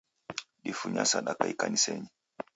Difunya sadaka ikansenyi.